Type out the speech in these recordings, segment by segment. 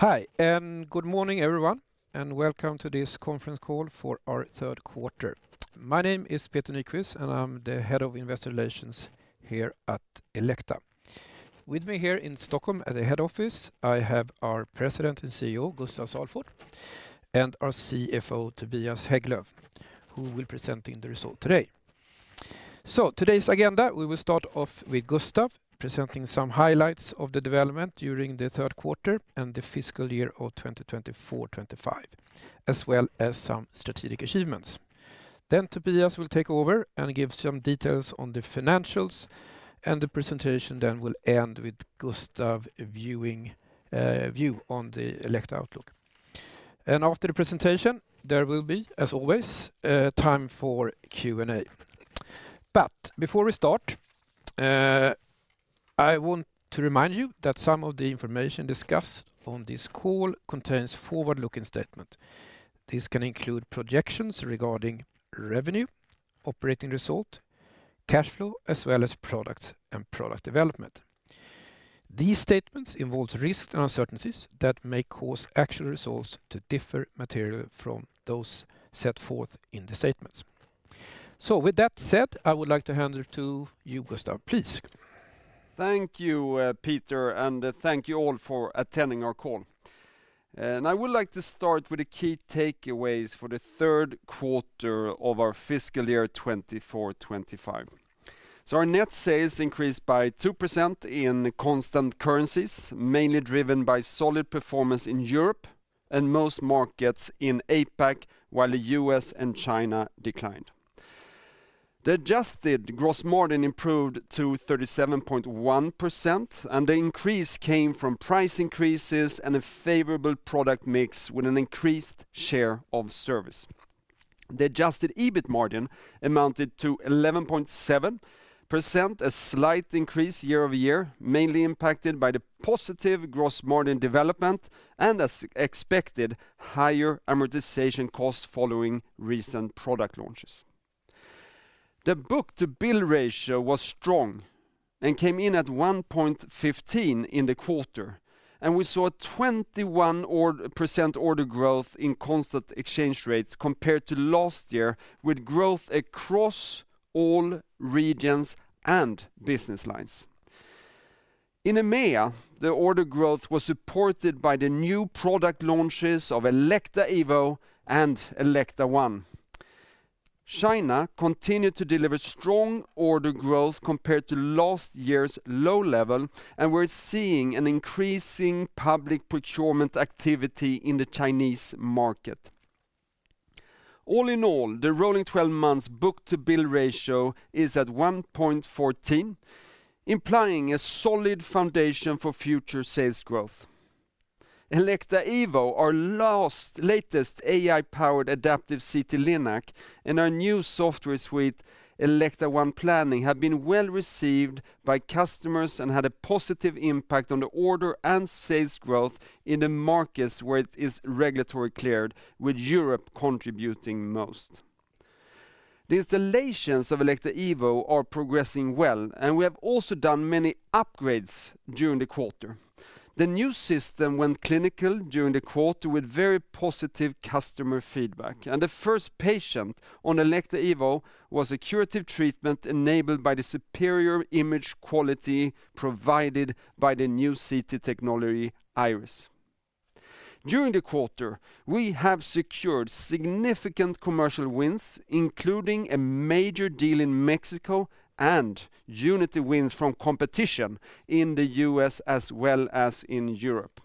Hi, and good morning, everyone, and welcome to this Conference Call for our Q3. My name is Peter Nyquist, and I'm the Head of Investor Relations here at Elekta. With me here in Stockholm at the head office, I have our President and Chief Executive Officer, Gustaf Salford, and our Chief Financial Officer, Tobias Hägglöv, who will be presenting the results today. Today's agenda, we will start off with Gustaf presenting some highlights of the development during the Q3 and the fiscal year of 2024-2025, as well as some strategic achievements. Tobias will take over and give some details on the financials, and the presentation then will end with Gustaf's view on the Elekta outlook. After the presentation, there will be, as always, time for Q&A. Before we start, I want to remind you that some of the information discussed on this call contains forward-looking statements. These can include projections regarding revenue, operating result, cash flow, as well as products and product development. These statements involve risks and uncertainties that may cause actual results to differ materially from those set forth in the statements. So, with that said, I would like to hand it over to you, Gustaf. Please. Thank you, Peter, and thank you all for attending our call. I would like to start with the key takeaways for the Q3 of our fiscal year 2024-25. Our net sales increased by 2% in constant currencies, mainly driven by solid performance in Europe and most markets in APAC, while the US and China declined. The adjusted gross margin improved to 37.1%, and the increase came from price increases and a favorable product mix with an increased share of service. The adjusted EBIT margin amounted to 11.7%, a slight increase year over year, mainly impacted by the positive gross margin development and, as expected, higher amortization costs following recent product launches. The book-to-bill ratio was strong and came in at 1.15 in the quarter, and we saw a 21% order growth in constant exchange rates compared to last year, with growth across all regions and business lines. In EMEA, the order growth was supported by the new product launches of Elekta Evo and Elekta ONE. China continued to deliver strong order growth compared to last year's low level, and we're seeing an increasing public procurement activity in the Chinese market. All in all, the rolling 12-month book-to-bill ratio is at 1.14, implying a solid foundation for future sales growth. Elekta Evo, our latest AI-powered adaptive CT-Linac, and our new software suite, Elekta ONE Planning, have been well received by customers and had a positive impact on the order and sales growth in the markets where it is regulatory cleared, with Europe contributing most. The installations of Elekta Evo are progressing well, and we have also done many upgrades during the quarter. The new system went clinical during the quarter with very positive customer feedback, and the first patient on Elekta Evo was a curative treatment enabled by the superior image quality provided by the new CT technology, IRIS. During the quarter, we have secured significant commercial wins, including a major deal in Mexico and Unity wins from competition in the U.S. as well as in Europe.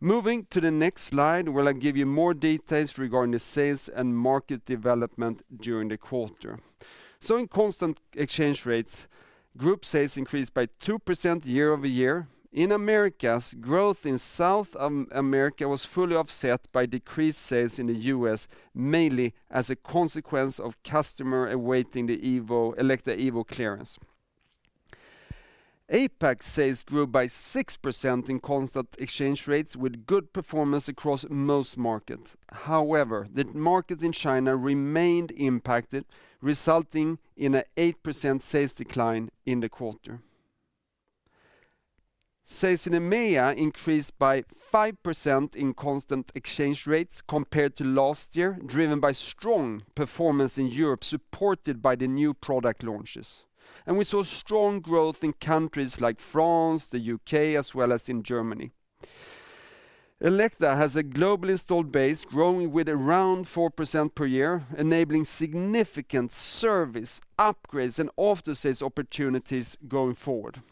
Moving to the next slide, where I'll give you more details regarding the sales and market development during the quarter. In constant exchange rates, group sales increased by 2% year over year. In the Americas, growth in South America was fully offset by decreased sales in the U.S., mainly as a consequence of customers awaiting the Elekta Evo clearance. APAC sales grew by 6% in constant exchange rates, with good performance across most markets. However, the market in China remained impacted, resulting in an 8% sales decline in the quarter. Sales in EMEA increased by 5% in constant exchange rates compared to last year, driven by strong performance in Europe supported by the new product launches. We saw strong growth in countries like France, the U.K., as well as in Germany. Elekta has a global installed base growing with around 4% per year, enabling significant service upgrades and cross-sales opportunities going forward.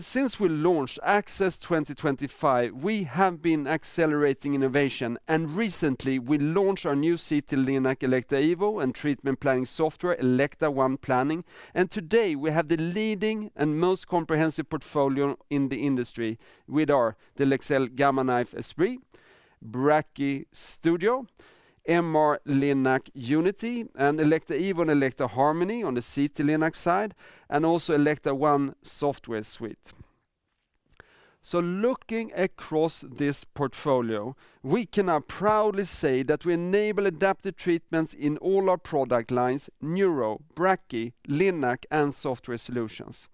Since we launched Access 2025, we have been accelerating innovation, and recently we launched our new CT-Linac Elekta Evo and treatment planning software, Elekta ONE Planning. Today we have the leading and most comprehensive portfolio in the industry with our Leksell Gamma Knife Esprit, BrachyStudio, MR-Linac Unity, and Elekta Evo and Elekta Harmony on the CT-Linac side, and also Elekta ONE software suite. Looking across this portfolio, we can now proudly say that we enable adaptive treatments in all our product lines: Neuro, Brachy, Linac, and software solutions.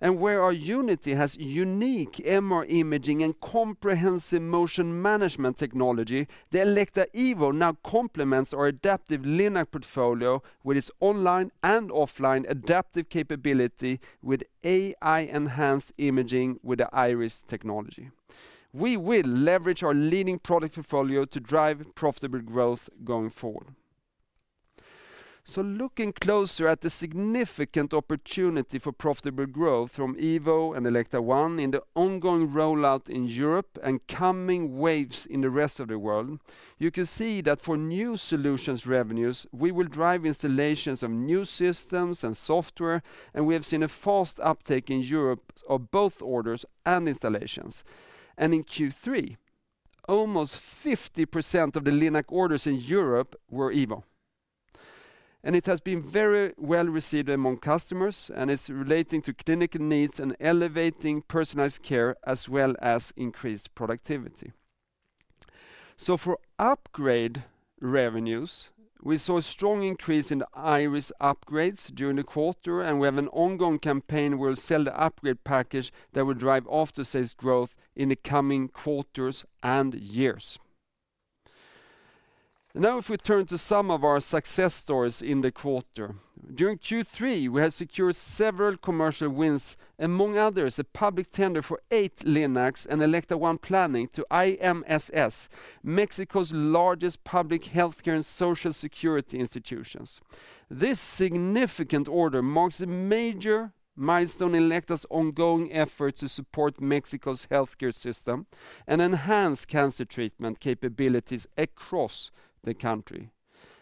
Where our Unity has unique MR imaging and comprehensive motion management technology, the Elekta Evo now complements our adaptive Linac portfolio with its online and offline adaptive capability with AI-enhanced imaging with the IRIS technology. We will leverage our leading product portfolio to drive profitable growth going forward. Looking closer at the significant opportunity for profitable growth from Evo and Elekta ONE in the ongoing rollout in Europe and coming waves in the rest of the world, you can see that for new solutions revenues, we will drive installations of new systems and software, and we have seen a fast uptake in Europe of both orders and installations. In Q3, almost 50% of the Linac orders in Europe were Evo. It has been very well received among customers, and it's relating to clinical needs and elevating personalized care as well as increased productivity. So, for upgrade revenues, we saw a strong increase in IRIS upgrades during the quarter, and we have an ongoing campaign where we'll sell the upgrade package that will drive off-the-shelf sales growth in the coming quarters and years. Now, if we turn to some of our success stories in the quarter, during Q3, we have secured several commercial wins, among others, a public tender for eight Linacs and Elekta ONE Planning to IMSS, Mexico's largest public healthcare and social security institutions. This significant order marks a major milestone in Elekta's ongoing efforts to support Mexico's healthcare system and enhance cancer treatment capabilities across the country.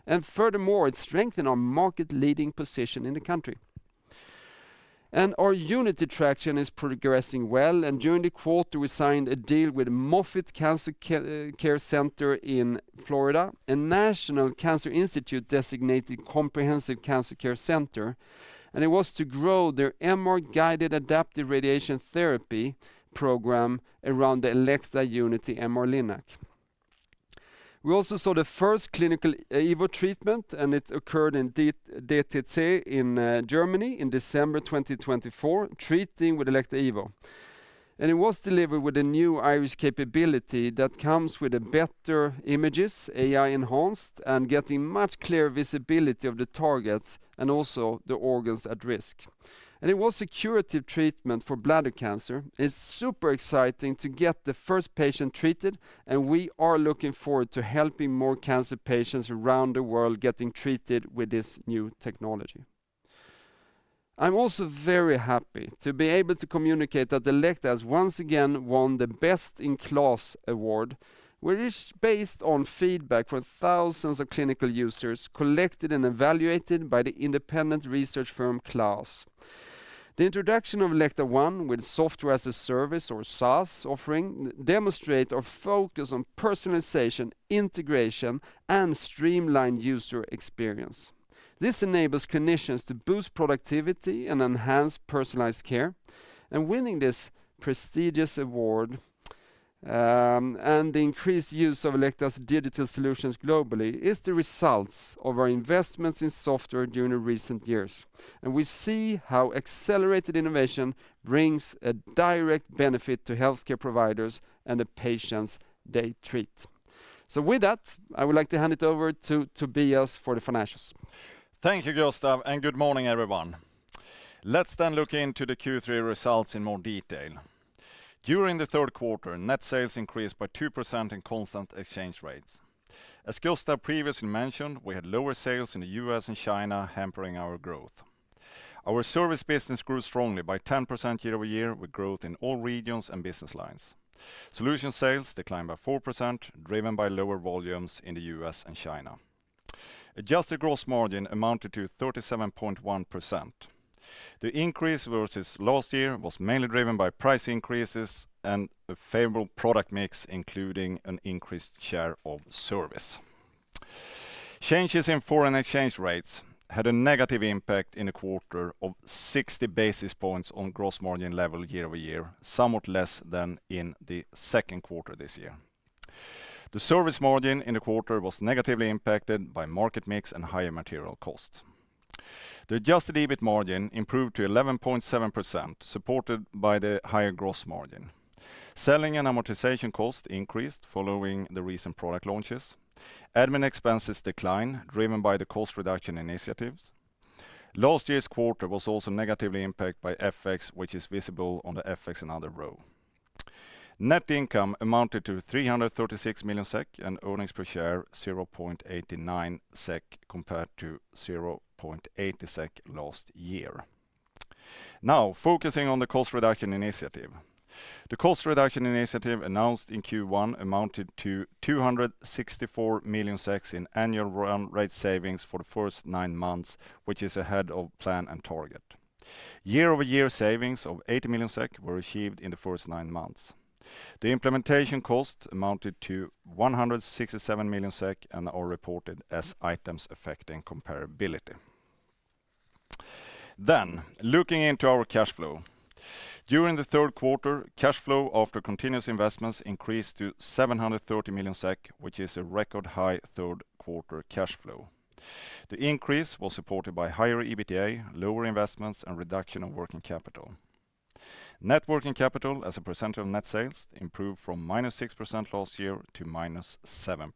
And furthermore, it strengthened our market-leading position in the country. Our Unity traction is progressing well, and during the quarter, we signed a deal with Moffitt Cancer Center in Florida, a National Cancer Institute-designated comprehensive cancer center, and it was to grow their MR-guided adaptive radiation therapy program around the Elekta Unity MR-Linac. We also saw the first clinical Evo treatment, and it occurred in DTZ Berlin in Germany in December 2024, treating with Elekta Evo. And it was delivered with a new IRIS capability that comes with better images, AI-enhanced, and getting much clearer visibility of the targets and also the organs at risk. And it was a curative treatment for bladder cancer. It's super exciting to get the first patient treated, and we are looking forward to helping more cancer patients around the world getting treated with this new technology. I'm also very happy to be able to communicate that Elekta has once again won the Best in KLAS award, which is based on feedback from thousands of clinical users collected and evaluated by the independent research firm KLAS Research. The introduction of Elekta ONE with Software as a Service, or SaaS, offering demonstrates our focus on personalization, integration, and streamlined user experience. This enables clinicians to boost productivity and enhance personalized care. And winning this prestigious award and the increased use of Elekta's digital solutions globally is the result of our investments in software during the recent years. And we see how accelerated innovation brings a direct benefit to healthcare providers and the patients they treat. So, with that, I would like to hand it over to Tobias for the financials. Thank you, Gustaf, and good morning, everyone. Let's then look into the Q3 results in more detail. During the Q3, net sales increased by 2% in constant exchange rates. As Gustaf previously mentioned, we had lower sales in the U.S. and China, hampering our growth. Our service business grew strongly by 10% year over year, with growth in all regions and business lines. Solution sales declined by 4%, driven by lower volumes in the U.S. and China. Adjusted gross margin amounted to 37.1%. The increase versus last year was mainly driven by price increases and a favorable product mix, including an increased share of service. Changes in foreign exchange rates had a negative impact in the quarter of 60 basis points on gross margin level year over year, somewhat less than in the Q2 this year. The service margin in the quarter was negatively impacted by market mix and higher material costs. The adjusted EBIT margin improved to 11.7%, supported by the higher gross margin. Selling and amortization costs increased following the recent product launches. Admin expenses declined, driven by the cost reduction initiatives. Last year's quarter was also negatively impacted by FX, which is visible on the FX and other row. Net income amounted to 336 million SEK and earnings per share 0.89 SEK compared to 0.80 SEK last year. Now, focusing on the cost reduction initiative. The cost reduction initiative announced in Q1 amounted to 264 million in annual run rate savings for the first nine months, which is ahead of plan and target. Year-over-year savings of 80 million SEK were achieved in the first nine months. The implementation cost amounted to 167 million SEK and are reported as items affecting comparability. Then, looking into our cash flow. During the Q3, cash flow after continuous investments increased to 730 million SEK, which is a record high Q3 cash flow. The increase was supported by higher EBITDA, lower investments, and reduction of working capital. Net working capital as a percentage of net sales improved from minus 6% last year to minus 7%.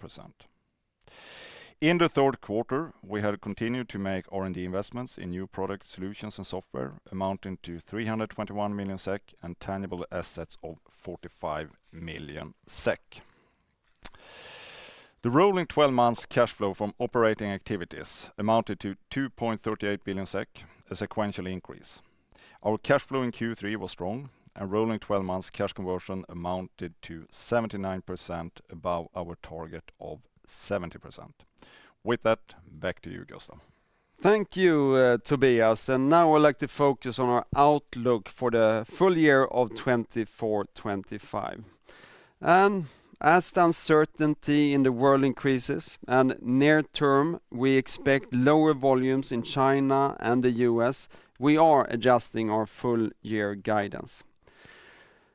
In the Q3, we had continued to make R&D investments in new product solutions and software amounting to 321 million SEK and tangible assets of 45 million SEK. The rolling 12-month cash flow from operating activities amounted to 2.38 billion SEK, a sequential increase. Our cash flow in Q3 was strong, and rolling 12-month cash conversion amounted to 79% above our target of 70%. With that, back to you, Gustaf. Thank you, Tobias. And now I'd like to focus on our outlook for the full year of 2024-2025. As uncertainty in the world increases, and near-term we expect lower volumes in China and the U.S., we are adjusting our full-year guidance.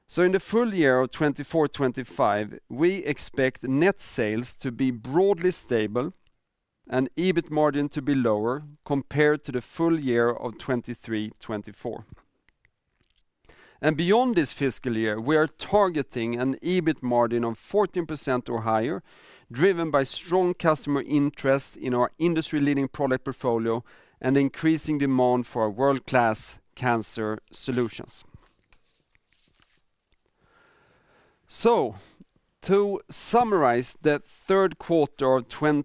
So, in the full year of 24-25, we expect net sales to be broadly stable and EBIT margin to be lower compared to the full year of 23-24. And beyond this fiscal year, we are targeting an EBIT margin of 14% or higher, driven by strong customer interest in our industry-leading product portfolio and increasing demand for our world-class cancer solutions. So, to summarize the Q3 of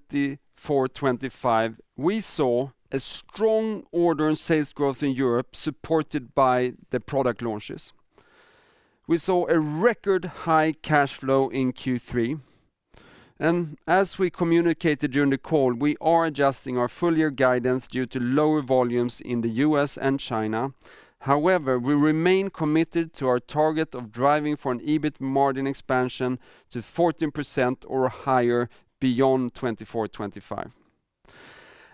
24-25, we saw a strong order and sales growth in Europe supported by the product launches. We saw a record high cash flow in Q3. And as we communicated during the call, we are adjusting our full-year guidance due to lower volumes in the U.S. and China. However, we remain committed to our target of driving for an EBIT margin expansion to 14% or higher beyond 2024-2025.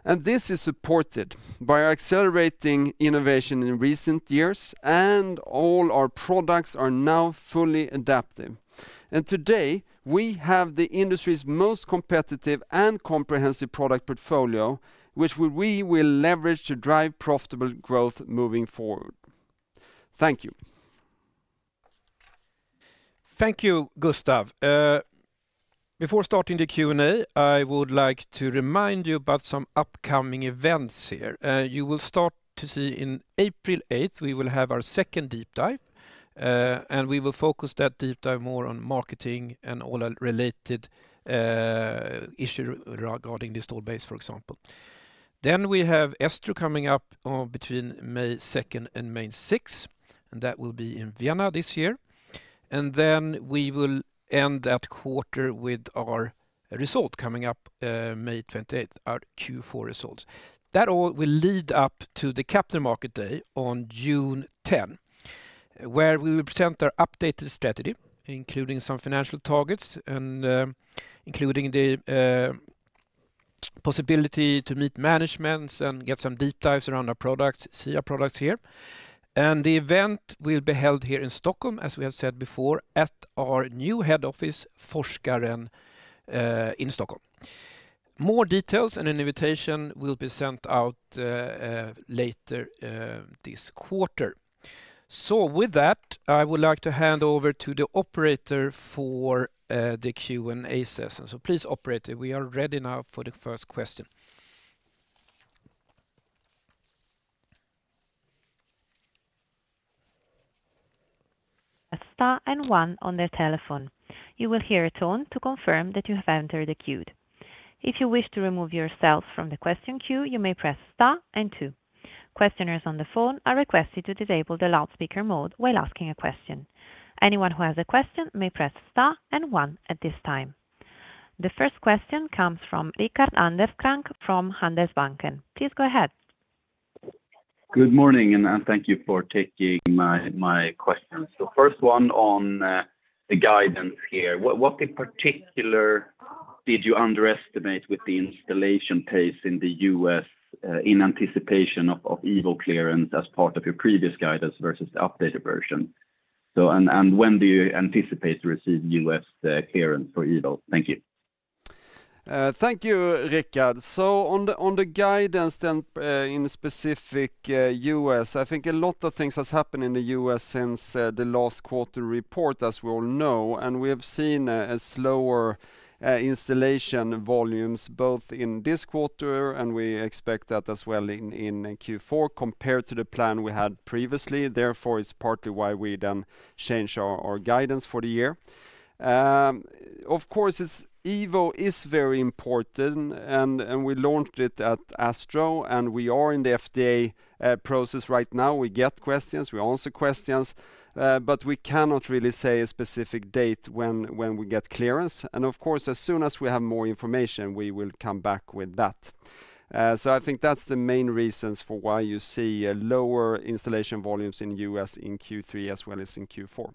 And this is supported by our accelerating innovation in recent years, and all our products are now fully adaptive. And today, we have the industry's most competitive and comprehensive product portfolio, which we will leverage to drive profitable growth moving forward. Thank you. Thank you, Gustaf. Before starting the Q&A, I would like to remind you about some upcoming events here. You will start to see on April 8th, we will have our second deep dive, and we will focus that deep dive more on marketing and all related issues regarding the store base, for example. Then we have ESTRO coming up between May 2nd and May 6th, and that will be in Vienna this year. We will end that quarter with our result coming up May 28th, our Q4 results. That all will lead up to the Capital Market Day on June 10, where we will present our updated strategy, including some financial targets, including the possibility to meet management and get some deep dives around our products, see our products here. The event will be held here in Stockholm, as we have said before, at our new head office, Forskaren, in Stockholm. More details and an invitation will be sent out later this quarter. With that, I would like to hand over to the operator for the Q&A session. Please, operator, we are ready now for the first question. A star and one on the telephone. You will hear a tone to confirm that you have entered the queue. If you wish to remove yourself from the question queue, you may press star and two. Questioners on the phone are requested to disable the loudspeaker mode while asking a question. Anyone who has a question may press star and one at this time. The first question comes from Rickard Anderkrans from Handelsbanken. Please go ahead. Good morning, and thank you for taking my question. So, first one on the guidance here. What in particular did you underestimate with the installation pace in the U.S. in anticipation of Evo clearance as part of your previous guidance versus the updated version? So, and when do you anticipate to receive U.S. clearance for Evo? Thank you. Thank you, Richard. So, on the guidance then in specific U.S., I think a lot of things have happened in the U.S. since the last quarter report, as we all know, and we have seen a slower installation volumes both in this quarter, and we expect that as well in Q4 compared to the plan we had previously. Therefore, it's partly why we then changed our guidance for the year. Of course, Evo is very important, and we launched it at ASTRO, and we are in the FDA process right now. We get questions, we answer questions, but we cannot really say a specific date when we get clearance. Of course, as soon as we have more information, we will come back with that. So, I think that's the main reasons for why you see lower installation volumes in the U.S. in Q3 as well as in Q4.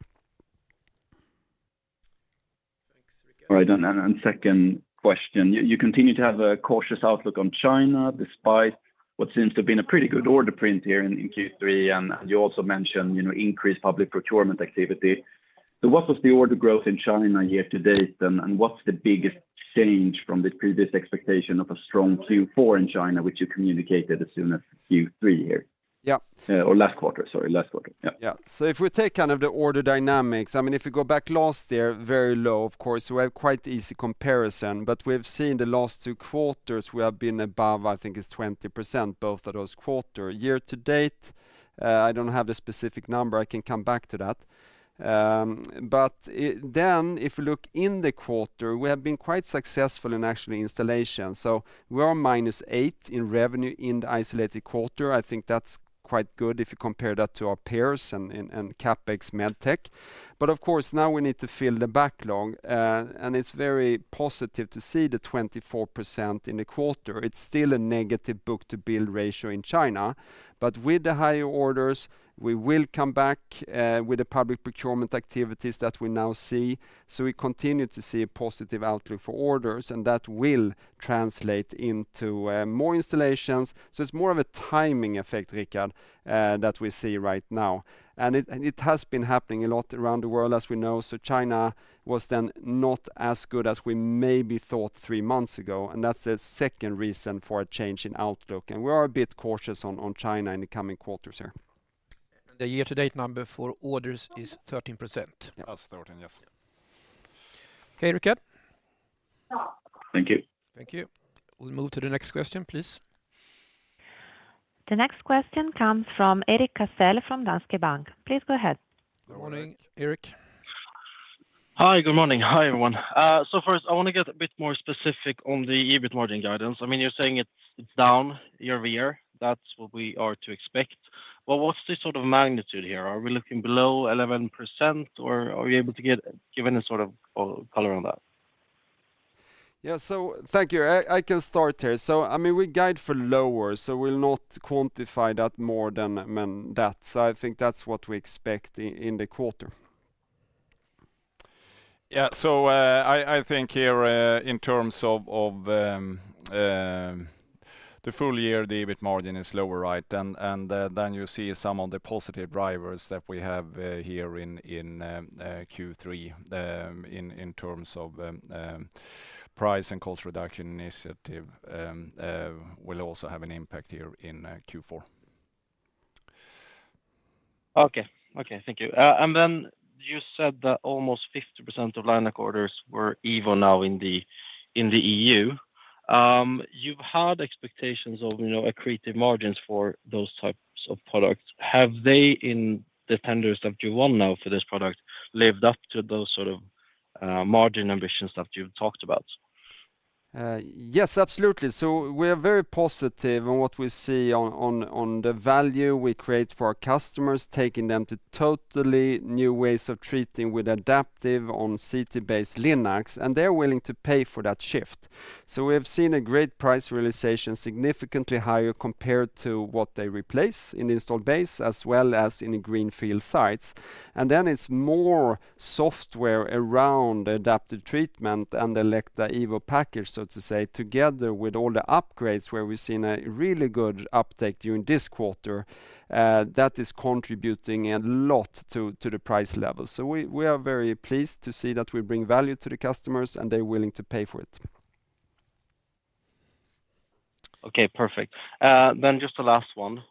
All right, and second question. You continue to have a cautious outlook on China despite what seems to have been a pretty good order print here in Q3, and you also mentioned increased public procurement activity, so what was the order growth in China year to date, and what's the biggest change from the previous expectation of a strong Q4 in China, which you communicated as soon as Q3 here? Yeah. Or last quarter, sorry, last quarter. Yeah. So, if we take kind of the order dynamics, I mean, if you go back last year, very low, of course, we have quite an easy comparison, but we've seen the last two quarters, we have been above, I think it's 20% both of those quarters. Year to date, I don't have the specific number, I can come back to that. But then, if we look in the quarter, we have been quite successful in actual installation. So, we are -8% in revenue in the isolated quarter. I think that's quite good if you compare that to our peers and CapEx MedTech. But of course, now we need to fill the backlog, and it's very positive to see the 24% in the quarter. It's still a negative book-to-bill ratio in China, but with the higher orders, we will come back with the public procurement activities that we now see. So, we continue to see a positive outlook for orders, and that will translate into more installations. So, it's more of a timing effect, Richard, that we see right now. And it has been happening a lot around the world, as we know. So, China was then not as good as we maybe thought three months ago, and that's the second reason for a change in outlook. And we are a bit cautious on China in the coming quarters here. The year-to-date number for orders is 13%. Yes. Okay, Richard. Thank you. Thank you. We'll move to the next question, please. The next question comes from Erik Cassel from Danske Bank. Please go ahead. Good morning, Erik. Hi, good morning. Hi, everyone. So, first, I want to get a bit more specific on the EBIT margin guidance. I mean, you're saying it's down year over year. That's what we are to expect. But what's the sort of magnitude here? Are we looking below 11%, or are you able to give any sort of color on that? Yeah, so, thank you. I can start here. So, I mean, we guide for lower, so we'll not quantify that more than that. So, I think that's what we expect in the quarter. Yeah, so, I think here in terms of the full-year EBIT margin is lower, right? And then you see some of the positive drivers that we have here in Q3 in terms of price and cost reduction initiative will also have an impact here in Q4. Okay, okay, thank you. And then you said that almost 50% of Linac orders were Evo now in the EU. You've had expectations of accretive margins for those types of products. Have they in the tenders that you won now for this product lived up to those sort of margin ambitions that you've talked about? Yes, absolutely, so we are very positive on what we see on the value we create for our customers, taking them to totally new ways of treating with adaptive on CT-based Linac, and they're willing to pay for that shift, so we have seen a great price realization, significantly higher compared to what they replace in the installed base as well as in the greenfield sites, and then it's more software around adaptive treatment and the Elekta Evo package, so to say, together with all the upgrades where we've seen a really good uptake during this quarter that is contributing a lot to the price level, so we are very pleased to see that we bring value to the customers and they're willing to pay for it. Okay, perfect. Then just the last one.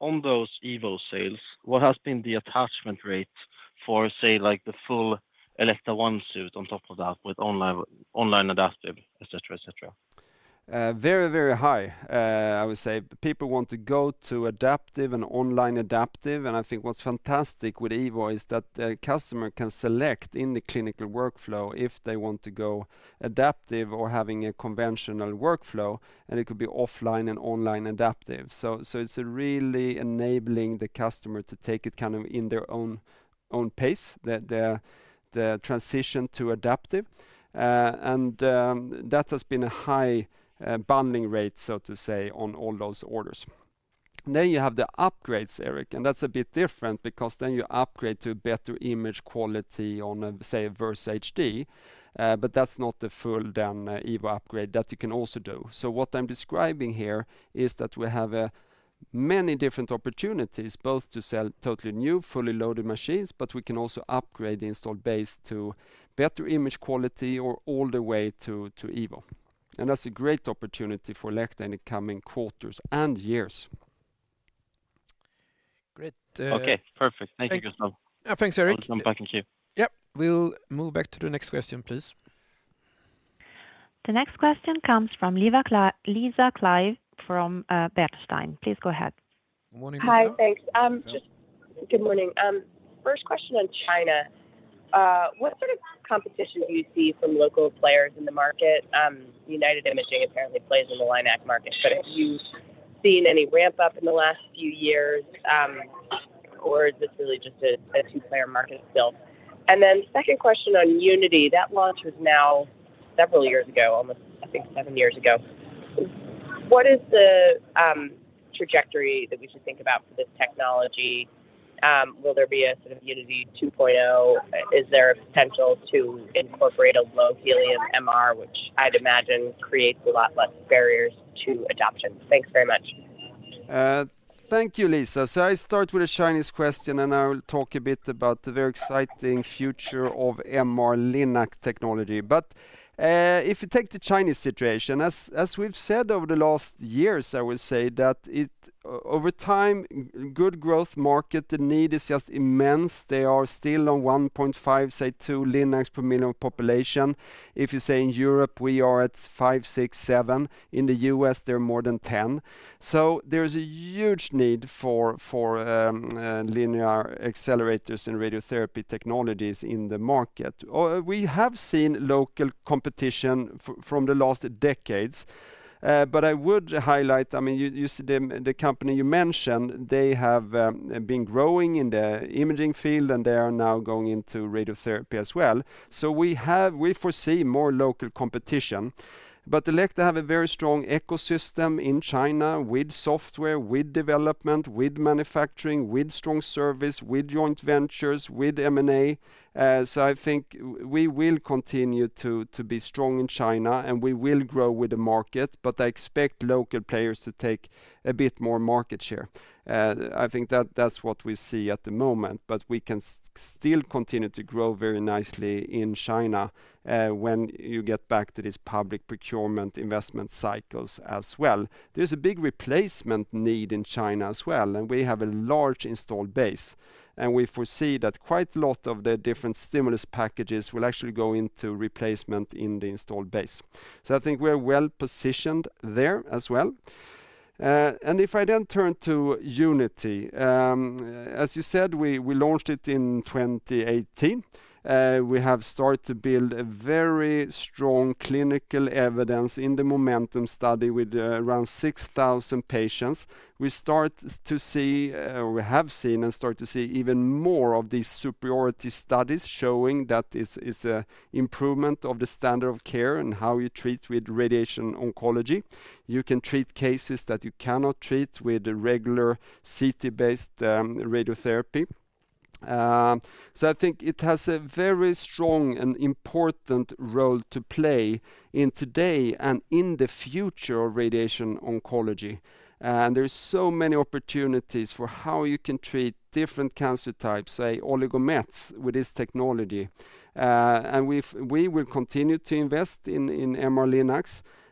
On those Evo sales, what has been the attachment rate for, say, like the full Elekta ONE suite on top of that with online adaptive, etc., etc.? Very, very high, I would say. People want to go to adaptive and online adaptive. And I think what's fantastic with Evo is that the customer can select in the clinical workflow if they want to go adaptive or having a conventional workflow, and it could be offline and online adaptive. So, it's really enabling the customer to take it kind of in their own pace, the transition to adaptive. And that has been a high bundling rate, so to say, on all those orders. Then you have the upgrades, Erik, and that's a bit different because then you upgrade to better image quality on, say, a Versa HD, but that's not the full then Evo upgrade that you can also do. What I'm describing here is that we have many different opportunities both to sell totally new, fully loaded machines, but we can also upgrade the installed base to better image quality or all the way to Evo. That's a great opportunity for Elekta in the coming quarters and years. Okay, perfect. Thank you, Gustaf. Thanks, Erik. Thank you. Yep. We'll move back to the next question, please. The next question comes from Lisa Clive from Bernstein. Please go ahead. Good morning, Lisa. Hi, thanks. Good morning. First question on China. What sort of competition do you see from local players in the market? United Imaging apparently plays in the Linac market, but have you seen any ramp-up in the last few years, or is this really just a two-player market still? And then second question on Unity, that launch was now several years ago, almost, I think, seven years ago. What is the trajectory that we should think about for this technology? Will there be a sort of Unity 2.0? Is there a potential to incorporate a low helium MR, which I'd imagine creates a lot less barriers to adoption? Thanks very much. Thank you, Lisa. So, I start with a Chinese question, and I will talk a bit about the very exciting future of MR-Linac technology. But if you take the Chinese situation, as we've said over the last years, I will say that over time, good growth market, the need is just immense. They are still on 1.5, say, 2 Linacs per million population. If you say in Europe, we are at 5, 6, 7. In the U.S., there are more than 10. So, there's a huge need for linear accelerators and radiotherapy technologies in the market. We have seen local competition from the last decades, but I would highlight, I mean, the company you mentioned, they have been growing in the imaging field, and they are now going into radiotherapy as well. So, we foresee more local competition, but Elekta has a very strong ecosystem in China with software, with development, with manufacturing, with strong service, with joint ventures, with M&A. So, I think we will continue to be strong in China, and we will grow with the market, but I expect local players to take a bit more market share. I think that's what we see at the moment, but we can still continue to grow very nicely in China when you get back to these public procurement investment cycles as well. There's a big replacement need in China as well, and we have a large installed base, and we foresee that quite a lot of the different stimulus packages will actually go into replacement in the installed base. So, I think we're well positioned there as well. If I then turn to Unity, as you said, we launched it in 2018. We have started to build a very strong clinical evidence in the momentum study with around 6,000 patients. We start to see, or we have seen and start to see even more of these superiority studies showing that it is an improvement of the standard of care and how you treat with radiation oncology. You can treat cases that you cannot treat with regular CT-based radiotherapy. I think it has a very strong and important role to play in today and in the future of radiation oncology. There are so many opportunities for how you can treat different cancer types, say, oligomets with this technology. We will continue to invest in MR-Linac,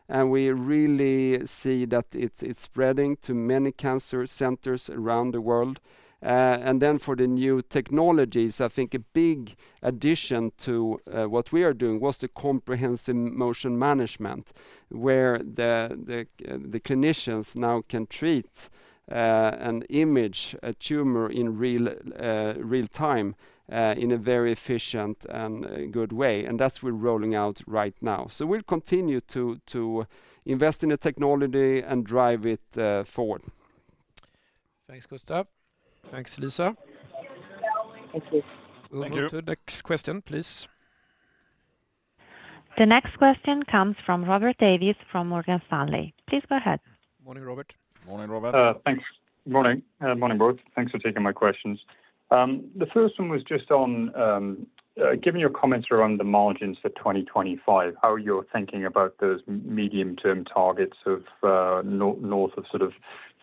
and we really see that it is spreading to many cancer centers around the world. And then for the new technologies, I think a big addition to what we are doing was the Comprehensive Motion Management where the clinicians now can treat a moving tumor in real time in a very efficient and good way. And that's what we're rolling out right now. So, we'll continue to invest in the technology and drive it forward. Thanks, Gustaf. Thanks, Lisa. Thank you. Thank you. Next question, please. The next question comes from Robert Davies from Morgan Stanley. Please go ahead. Morning, Robert. Morning, Robert. Thanks. Morning, both. Thanks for taking my questions. The first one was just on, given your comments around the margins for 2025, how you're thinking about those medium-term targets of north of sort of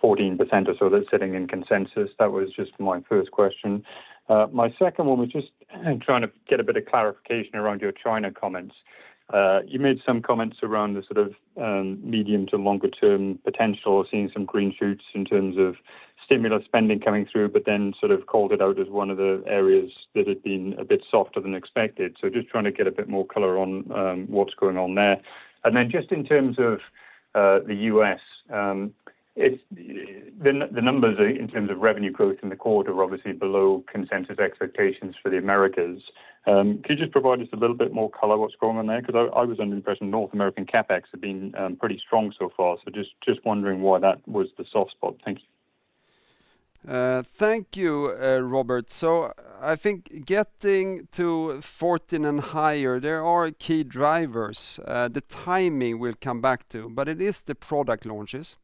14% or so that's sitting in consensus. That was just my first question. My second one was just trying to get a bit of clarification around your China comments. You made some comments around the sort of medium- to longer-term potential, seeing some green shoots in terms of stimulus spending coming through, but then sort of called it out as one of the areas that had been a bit softer than expected. So, just trying to get a bit more color on what's going on there. And then just in terms of the U.S., the numbers in terms of revenue growth in the quarter are obviously below consensus expectations for the Americas. Could you just provide us a little bit more color on what's going on there? Because I was under the impression North American CapEx had been pretty strong so far. So, just wondering why that was the soft spot. Thank you. Thank you, Robert. So, I think getting to 14 and higher, there are key drivers. The timing we'll come back to, but it is the product launches.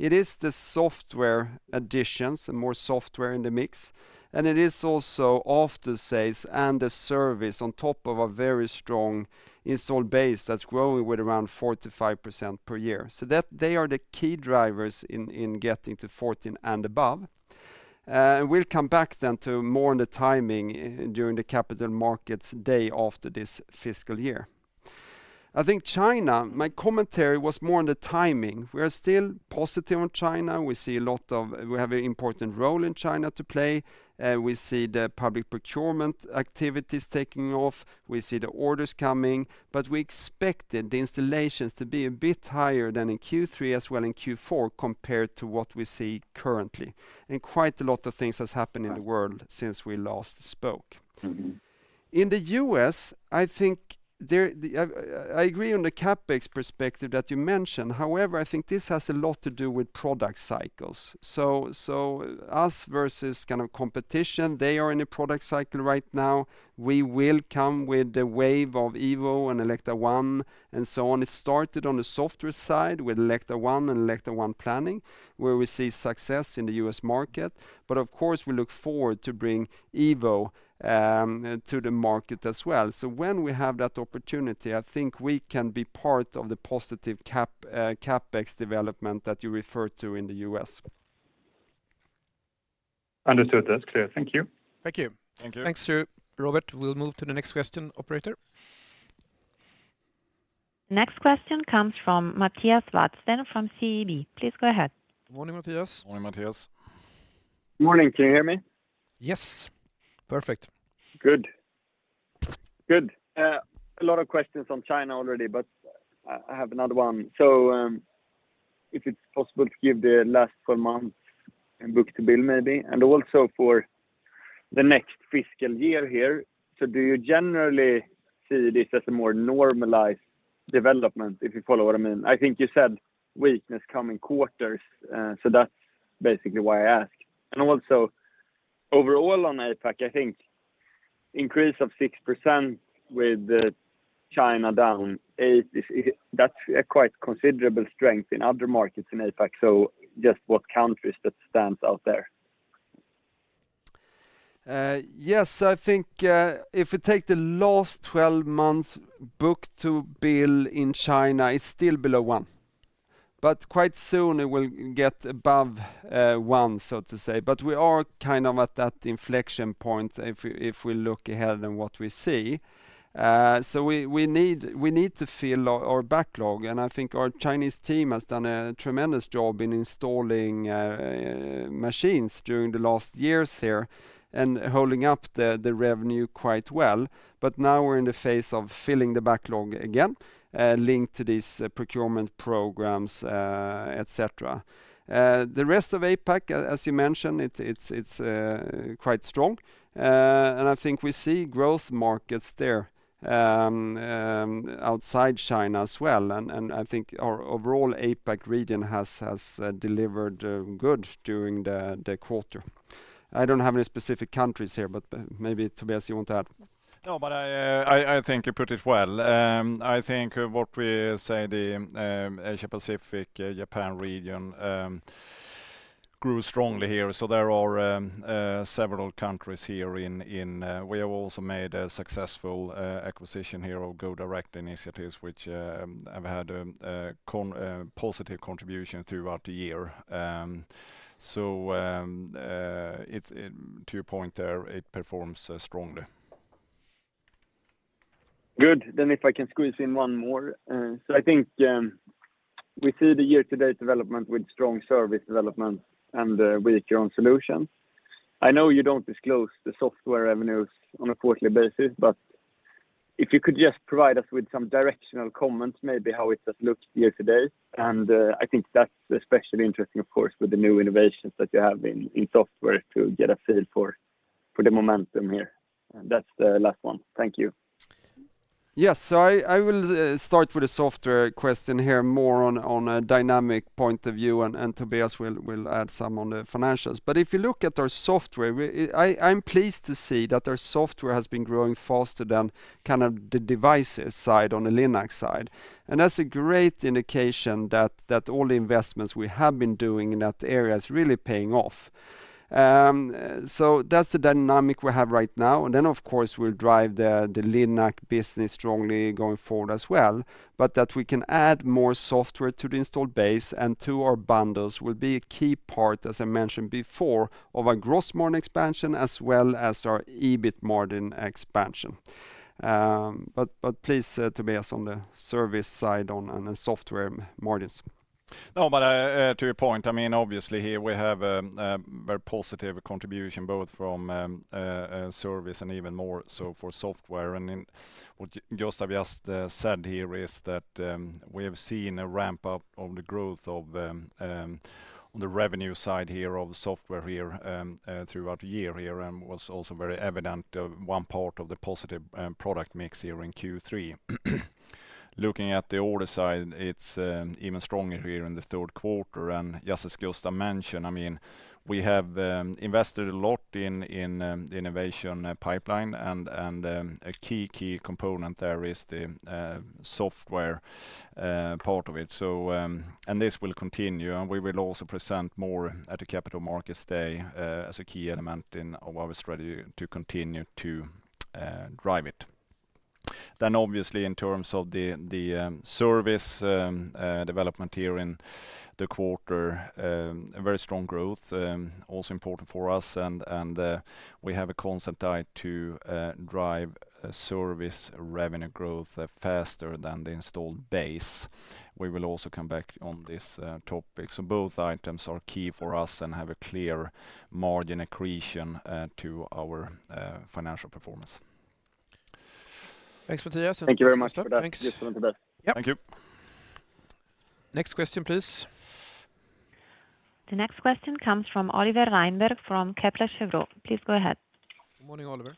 It is the software additions, the more software in the mix, and it is also off the sales and the service on top of a very strong installed base that's growing with around 4-5% per year. So, they are the key drivers in getting to 14 and above. And we'll come back then to more on the timing during the Capital Markets Day after this fiscal year. I think China, my commentary was more on the timing. We are still positive on China. We see a lot of we have an important role in China to play. We see the public procurement activities taking off. We see the orders coming, but we expected the installations to be a bit higher than in Q3 as well in Q4 compared to what we see currently, and quite a lot of things have happened in the world since we last spoke. In the U.S., I think I agree on the CapEx perspective that you mentioned. However, I think this has a lot to do with product cycles. So, us versus kind of competition, they are in a product cycle right now. We will come with the wave of Evo and Elekta ONE and so on. It started on the software side with Elekta ONE and Elekta ONE Planning, where we see success in the U.S. market. But of course, we look forward to bringing Evo to the market as well. So, when we have that opportunity, I think we can be part of the positive CapEx development that you refer to in the U.S. Understood. That's clear. Thank you. Thank you. Thank you. Thanks, Robert. We'll move to the next question, operator. Next question comes from Mattias Vadsten from SEB. Please go ahead. Good morning, Mattias. Good morning, Mattias. Good morning. Can you hear me? Yes. Perfect. Good. Good. A lot of questions on China already, but I have another one. So, if it's possible to give the last 12 months a book-to-bill, maybe, and also for the next fiscal year here. So, do you generally see this as a more normalized development if you follow what I mean? I think you said weakness coming quarters. So, that's basically why I asked. And also, overall on APAC, I think increase of 6% with China down, that's quite considerable strength in other markets in APAC. So, just what countries that stands out there? Yes, I think if we take the last 12 months book-to-bill in China, it's still below one. But quite soon, it will get above one, so to say. But we are kind of at that inflection point if we look ahead and what we see. So, we need to fill our backlog. And I think our Chinese team has done a tremendous job in installing machines during the last years here and holding up the revenue quite well. But now we're in the phase of filling the backlog again linked to these procurement programs, etc. The rest of APAC, as you mentioned, it's quite strong. And I think we see growth markets there outside China as well. And I think our overall APAC region has delivered good during the quarter. I don't have any specific countries here, but maybe Tobias, you want to add? No, but I think you put it well. I think what we say, the Asia-Pacific, Japan region grew strongly here. So, there are several countries here where we have also made a successful acquisition here of go-direct initiatives, which have had a positive contribution throughout the year. So, to your point there, it performs strongly. Good. Then if I can squeeze in one more. So, I think we see the year-to-date development with strong service development and weaker on solutions. I know you don't disclose the software revenues on a quarterly basis, but if you could just provide us with some directional comments, maybe how it has looked year-to-date. And I think that's especially interesting, of course, with the new innovations that you have in software to get a feel for the momentum here. That's the last one. Thank you. Yes. So, I will start with a software question here more on a dynamic point of view, and Tobias will add some on the financials. But if you look at our software, I'm pleased to see that our software has been growing faster than kind of the devices side on the Linac side. And that's a great indication that all the investments we have been doing in that area is really paying off. So, that's the dynamic we have right now. And then, of course, we'll drive the Linac business strongly going forward as well. But that we can add more software to the installed base and to our bundles will be a key part, as I mentioned before, of our gross margin expansion as well as our EBIT margin expansion. But please, Tobias, on the service side on the software margins. No, but to your point, I mean, obviously here we have a very positive contribution both from service and even more so for software. And what Gustaf just said here is that we have seen a ramp up of the growth on the revenue side here of software here throughout the year here and was also very evident one part of the positive product mix here in Q3. Looking at the order side, it's even stronger here in the Q3. And just as Gustaf mentioned, I mean, we have invested a lot in the innovation pipeline, and a key, key component there is the software part of it. So, and this will continue, and we will also present more at the capital markets day as a key element of our strategy to continue to drive it. Then, obviously, in terms of the service development here in the quarter, very strong growth, also important for us, and we have a constant try to drive service revenue growth faster than the installed base. We will also come back on this topic, so both items are key for us and have a clear margin accretion to our financial performance. Thanks, Mattias. Thank you very much Gustaf and Tobias. Thank you. Next question, please. The next question comes from Oliver Reinberg from Kepler Cheuvreux. Please go ahead. Good morning, Oliver.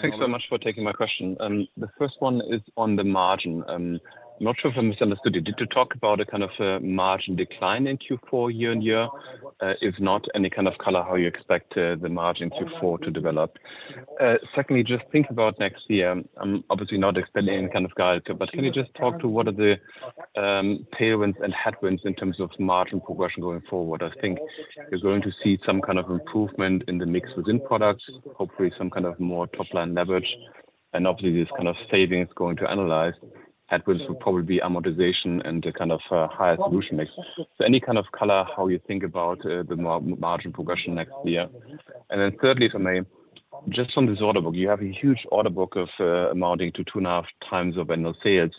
Thanks so much for taking my question. The first one is on the margin. I'm not sure if I misunderstood you. Did you talk about a kind of margin decline in Q4 year on year? If not, any kind of color how you expect the margin Q4 to develop. Secondly, just think about next year. I'm obviously not explaining any kind of guide, but can you just talk to what are the tailwinds and headwinds in terms of margin progression going forward? I think you're going to see some kind of improvement in the mix within products, hopefully some kind of more top-line leverage, and obviously these kind of savings going to analyze. Headwinds would probably be amortization and kind of higher solution mix. So, any kind of color how you think about the margin progression next year? And then thirdly, for me, just from this order book, you have a huge order book amounting to two and a half times of annual sales.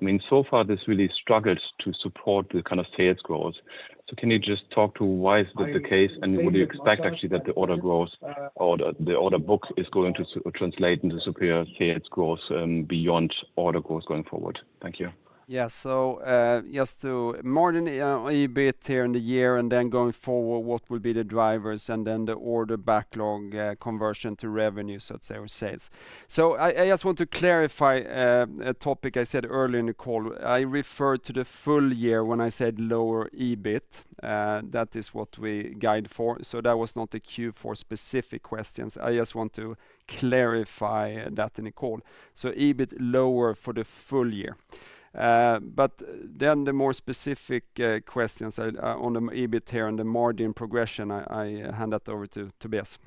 I mean, so far this really struggles to support the kind of sales growth. So, can you just talk to why is that the case and would you expect actually that the order growth or the order book is going to translate into superior sales growth beyond order growth going forward? Thank you. Yeah. So, just the margin EBIT here in the year and then going forward, what will be the drivers and then the order backlog conversion to revenue, so to say, or sales. So, I just want to clarify a topic I said earlier in the call. I referred to the full year when I said lower EBIT. That is what we guide for. So, that was not a cue for specific questions. I just want to clarify that in the call. So, EBIT lower for the full year. But then the more specific questions on the EBIT here and the margin progression, I hand that over to Tobias.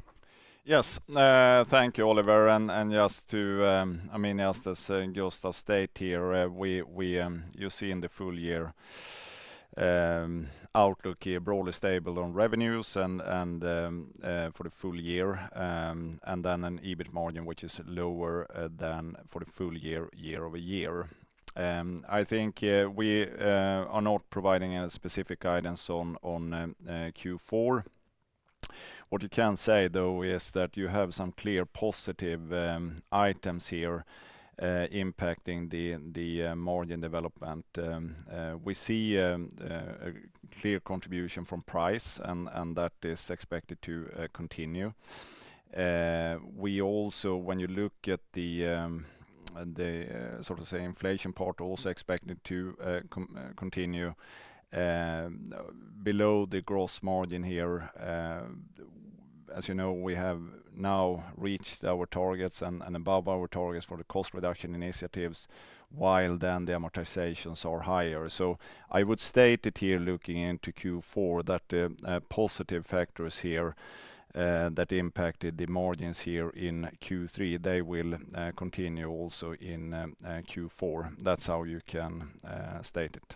Yes. Thank you, Oliver. And just to, I mean, as Gustaf said here, you see in the full year outlook here, broadly stable on revenues and for the full year, and then an EBIT margin which is lower than for the full year year over year. I think we are not providing a specific guidance on Q4. What you can say though is that you have some clear positive items here impacting the margin development. We see a clear contribution from price and that is expected to continue. We also, when you look at the sort of inflation part, also expected to continue below the gross margin here. As you know, we have now reached our targets and above our targets for the cost reduction initiatives, while then the amortizations are higher. I would state it here looking into Q4 that the positive factors here that impacted the margins here in Q3, they will continue also in Q4. That's how you can state it.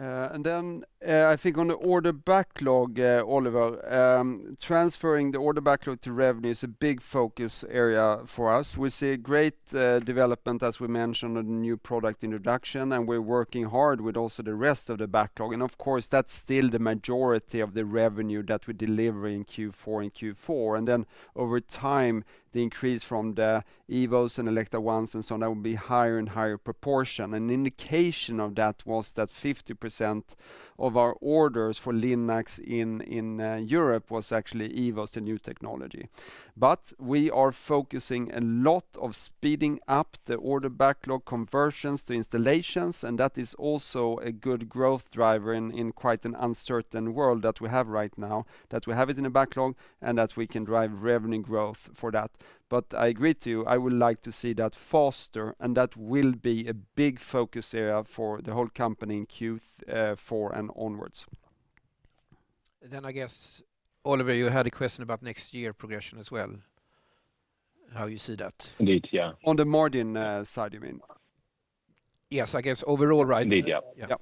And then I think on the order backlog, Oliver, transferring the order backlog to revenue is a big focus area for us. We see a great development as we mentioned on the new product introduction, and we're working hard with also the rest of the backlog. And of course, that's still the majority of the revenue that we deliver in Q4 and Q4. And then over time, the increase from the Evos and Elekta ONEs and so on, that will be higher and higher proportion. An indication of that was that 50% of our orders for Linacs in Europe was actually Evos, the new technology. But we are focusing a lot on speeding up the order backlog conversions to installations, and that is also a good growth driver in quite an uncertain world that we have right now, that we have it in the backlog and that we can drive revenue growth for that. But I agree with you, I would like to see that faster, and that will be a big focus area for the whole company in Q4 and onwards. Then I guess, Oliver, you had a question about next year progression as well. How you see that? Indeed, yeah. On the margin side, you mean? Yes, I guess overall, right? Indeed, yeah. Yeah.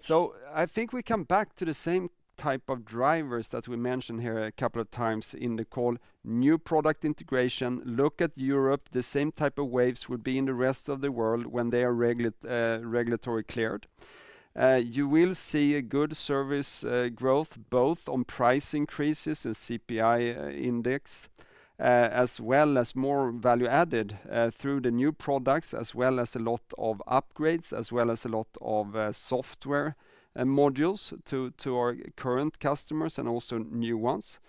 So, I think we come back to the same type of drivers that we mentioned here a couple of times in the call. New product integration, look at Europe, the same type of waves will be in the rest of the world when they are regulatory cleared. You will see a good service growth both on price increases and CPI index, as well as more value added through the new products, as well as a lot of upgrades, as well as a lot of software modules to our current customers and also new ones.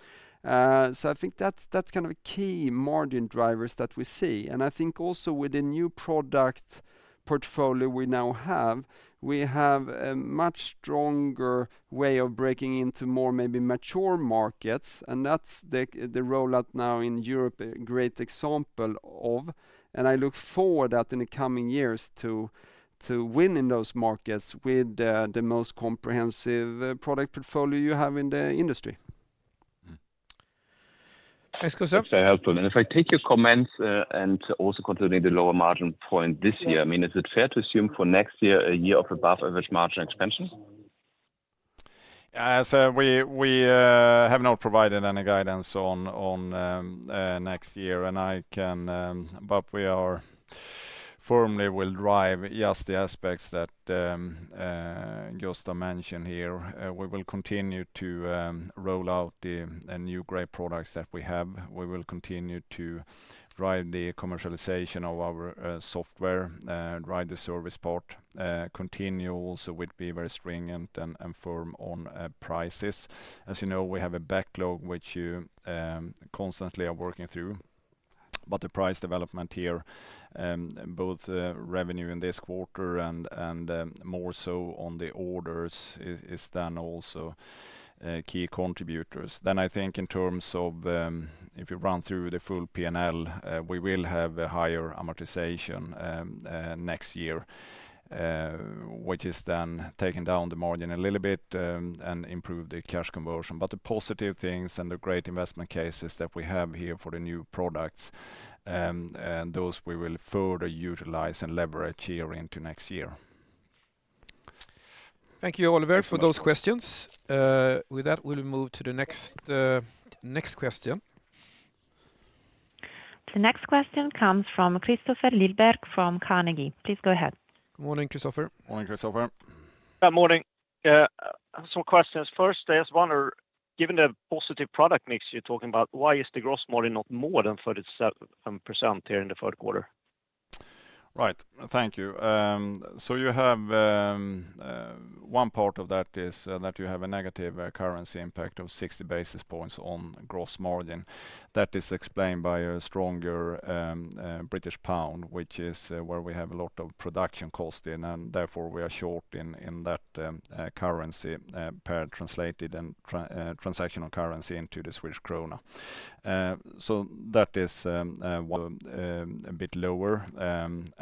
So, I think that's kind of a key margin drivers that we see. And I think also with the new product portfolio we now have, we have a much stronger way of breaking into more maybe mature markets. And that's the rollout now in Europe, a great example of. I look forward to that in the coming years to win in those markets with the most comprehensive product portfolio you have in the industry. Thanks, Gustaf. Thanks for your help. And if I take your comments and also considering the lower margin point this year, I mean, is it fair to assume for next year a year of above-average margin expansion? Yeah. So, we have not provided any guidance on next year, and I can, but we are firmly will drive just the aspects that Gustaf mentioned here. We will continue to roll out the new great products that we have. We will continue to drive the commercialization of our software, drive the service part, continue also with be very stringent and firm on prices. As you know, we have a backlog which you constantly are working through. But the price development here, both revenue in this quarter and more so on the orders is then also key contributors. Then I think in terms of if you run through the full P&L, we will have a higher amortization next year, which is then taking down the margin a little bit and improving the cash conversion. But the positive things and the great investment cases that we have here for the new products, those we will further utilize and leverage here into next year. Thank you, Oliver, for those questions. With that, we will move to the next question. The next question comes from Kristofer Liljeberg from Carnegie. Please go ahead. Good morning, Kristofer. Morning, Kristofer. Good morning. Some questions first. I just wonder, given the positive product mix you're talking about, why is the gross margin not more than 37% here in the Q3? Right. Thank you. So, you have one part of that is that you have a negative currency impact of 60 basis points on gross margin. That is explained by a stronger British pound, which is where we have a lot of production cost in, and therefore we are short in that currency pair translated and transactional currency into the Swedish Krona. So, that is a bit lower.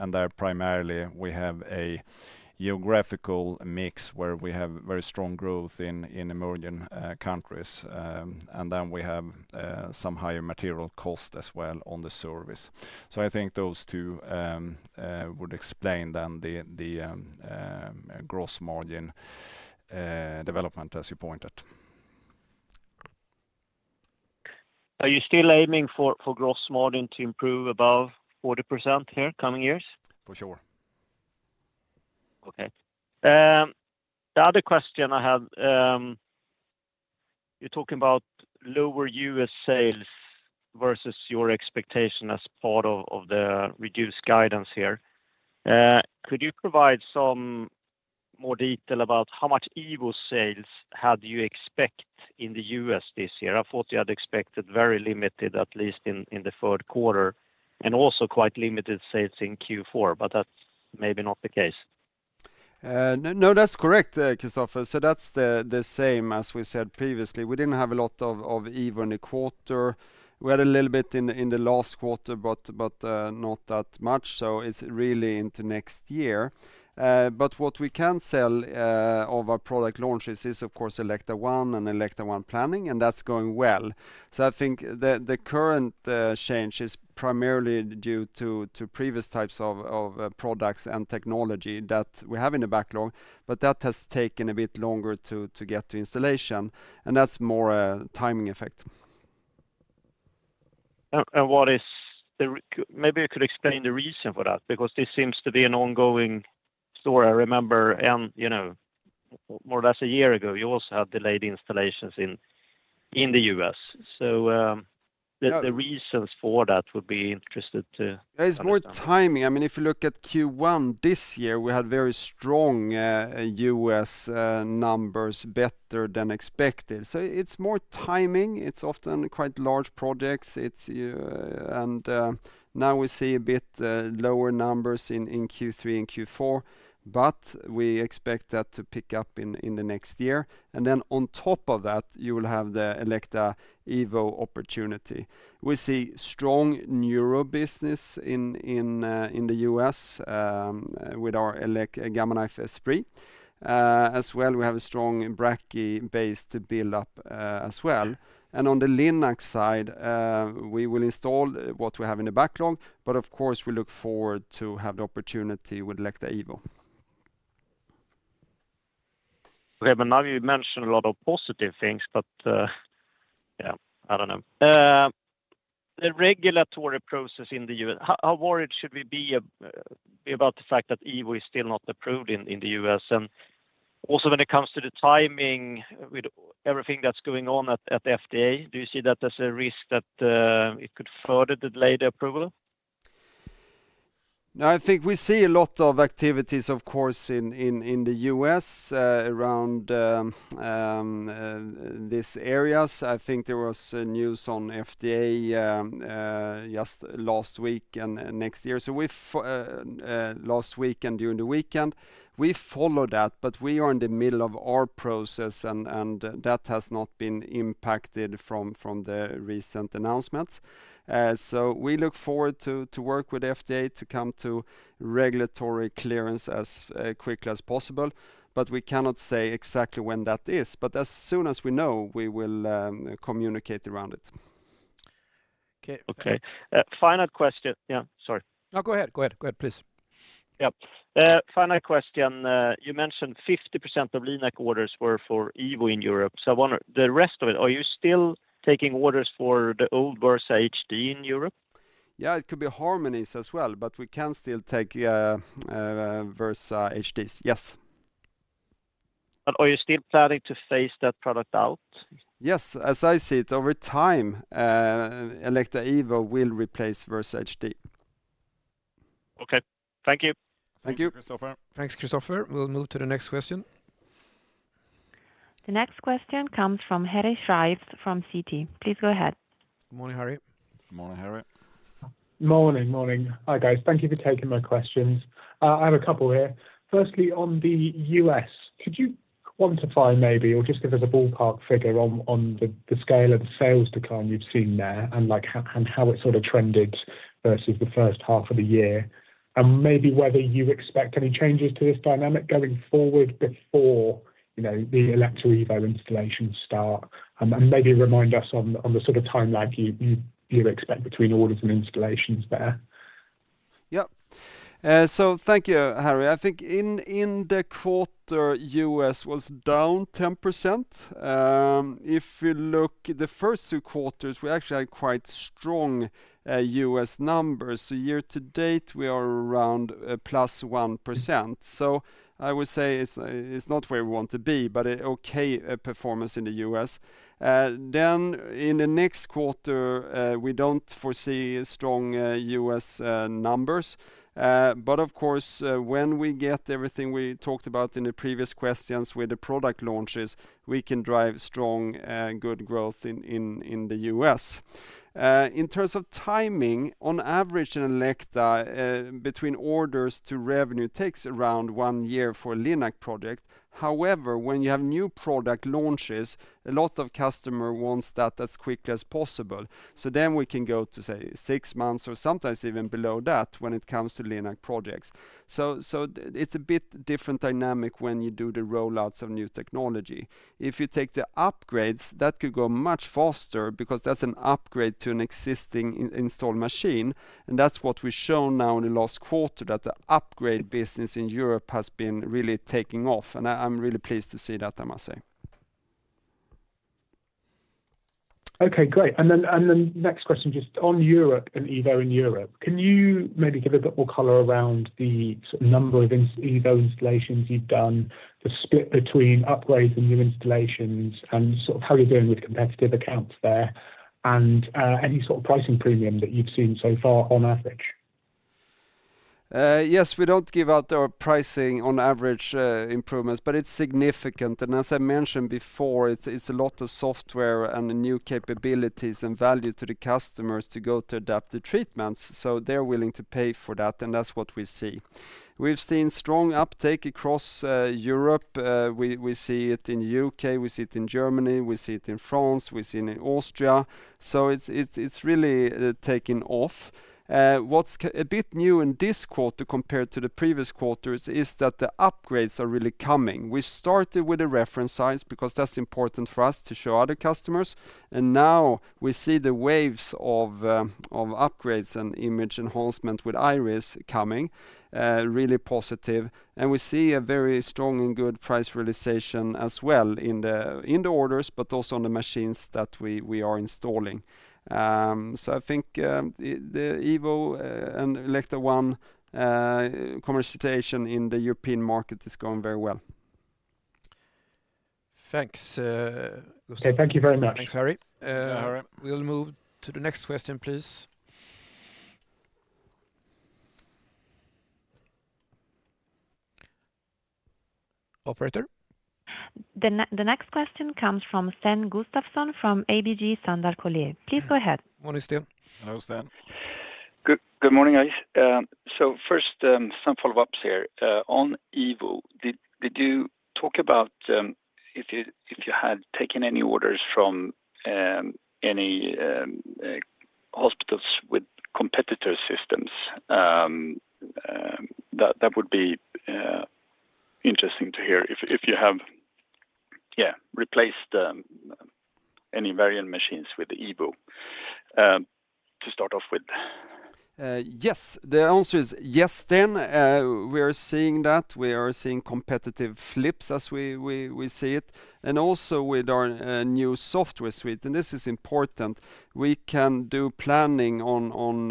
And there primarily we have a geographical mix where we have very strong growth in emerging countries. And then we have some higher material cost as well on the service. So, I think those two would explain then the gross margin development as you pointed. Are you still aiming for gross margin to improve above 40% here coming years? For sure. Okay. The other question I had, you're talking about lower U.S. sales versus your expectation as part of the reduced guidance here. Could you provide some more detail about how much Evo sales had you expect in the U.S. this year? I thought you had expected very limited, at least in the Q3, and also quite limited sales in Q4, but that's maybe not the case. No, that's correct, Kristofer. So, that's the same as we said previously. We didn't have a lot of Evo in the quarter. We had a little bit in the last quarter, but not that much. So, it's really into next year. But what we can sell of our product launches is, of course, Elekta ONE and Elekta ONE Planning, and that's going well. So, I think the current change is primarily due to previous types of products and technology that we have in the backlog, but that has taken a bit longer to get to installation, and that's more a timing effect. And what is the maybe you could explain the reason for that, because this seems to be an ongoing story. I remember more or less a year ago, you also had delayed installations in the U.S. So, the reasons for that would be interesting to. It's more timing. I mean, if you look at Q1 this year, we had very strong U.S. numbers, better than expected. So, it's more timing. It's often quite large projects. And now we see a bit lower numbers in Q3 and Q4, but we expect that to pick up in the next year. And then on top of that, you will have the Elekta Evo opportunity. We see strong neuro business in the U.S. with our Leksell Gamma Knife Esprit as well. We have a strong brachy base to build up as well. And on the Linac side, we will install what we have in the backlog, but of course, we look forward to have the opportunity with Elekta Evo. Right, but now you mentioned a lot of positive things, but yeah, I don't know. The regulatory process in the U.S., how worried should we be about the fact that Evo is still not approved in the U.S., and also when it comes to the timing with everything that's going on at the FDA, do you see that as a risk that it could further delay the approval? No, I think we see a lot of activities, of course, in the U.S. around these areas. I think there was news on FDA just last week and next year. So, last week and during the weekend, we followed that, but we are in the middle of our process, and that has not been impacted from the recent announcements. So, we look forward to work with FDA to come to regulatory clearance as quickly as possible, but we cannot say exactly when that is. But as soon as we know, we will communicate around it. Okay. Final question. Yeah, sorry. No, go ahead. Go ahead. Go ahead, please. Yeah. Final question. You mentioned 50% of Linac orders were for Evo in Europe. So, I wonder the rest of it, are you still taking orders for the old Versa HD in Europe? Yeah, it could be Harmonies as well, but we can still take Versa HDs. Yes. But are you still planning to phase that product out? Yes. As I see it, over time, Elekta Evo will replace Versa HD. Okay. Thank you. Thank you, Kristofer. Thanks, Kristofer. We'll move to the next question. The next question comes from Harry Chen from Citi. Please go ahead. Good morning, Harry. Good morning, Harry. Morning, morning. Hi guys. Thank you for taking my questions. I have a couple here. Firstly, on the U.S., could you quantify maybe, or just give us a ballpark figure on the scale of the sales decline you've seen there and how it sort of trended versus the first half of the year? And maybe whether you expect any changes to this dynamic going forward before the Elekta Evo installations start? And maybe remind us on the sort of timeline you expect between orders and installations there. Yep. So, thank you, Harry. I think in the quarter, US was down 10%. If we look at the first two quarters, we actually had quite strong US numbers. So, year to date, we are around +1%. So, I would say it's not where we want to be, but okay performance in the U.S.. Then in the next quarter, we don't foresee strong US numbers. But of course, when we get everything we talked about in the previous questions with the product launches, we can drive strong, good growth in the U.S.. In terms of timing, on average in Elekta, between orders to revenue takes around one year for a Linac project. However, when you have new product launches, a lot of customers want that as quickly as possible. So, then we can go to, say, six months or sometimes even below that when it comes to Linac projects. So, it's a bit different dynamic when you do the rollouts of new technology. If you take the upgrades, that could go much faster because that's an upgrade to an existing installed machine. And that's what we've shown now in the last quarter, that the upgrade business in Europe has been really taking off. And I'm really pleased to see that, I must say. Okay, great. And then next question, just on Europe and Evo in Europe, can you maybe give a bit more color around the number of Evo installations you've done, the split between upgrades and new installations, and sort of how you're doing with competitive accounts there, and any sort of pricing premium that you've seen so far on average? Yes, we don't give out our pricing on average improvements, but it's significant, and as I mentioned before, it's a lot of software and new capabilities and value to the customers to go to adaptive treatments, so they're willing to pay for that, and that's what we see. We've seen strong uptake across Europe. We see it in the U.K., We see it in Germany. We see it in France. We see it in Austria, so it's really taken off. What's a bit new in this quarter compared to the previous quarters is that the upgrades are really coming. We started with the reference site because that's important for us to show other customers, and now we see the waves of upgrades and image enhancement with IRIS coming, really positive. And we see a very strong and good price realization as well in the orders, but also on the machines that we are installing. So, I think the Evo and Elekta ONE commercialization in the European market is going very well. Thanks. Okay, thank you very much. Thanks, Harry. We'll move to the next question, please. Operator. The next question comes from Sten Gustafsson from ABG Sundal Collier. Please go ahead. Good morning, Sten. Hello, Sten. Good morning, guys. So, first, some follow-ups here. On Evo, did you talk about if you had taken any orders from any hospitals with competitor systems? That would be interesting to hear if you have, yeah, replaced any Varian machines with Evo. To start off with. Yes. The answer is yes, Sten. We are seeing that. We are seeing competitive flips as we see it. And also with our new software suite, and this is important, we can do planning on